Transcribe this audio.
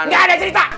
nggak ada cerita